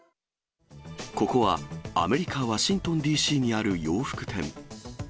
ここはアメリカ・ワシントンＤＣにある洋服店。